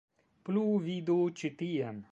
Plu vidu ĉi tien.